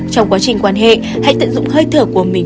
trong quá trình quan hệ hãy tận dụng hơi thở của mình